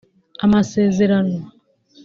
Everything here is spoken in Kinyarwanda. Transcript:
amasezerano